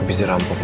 habis dia rampok ma